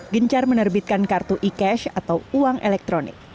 gencar menerbitkan kartu e cash atau uang elektronik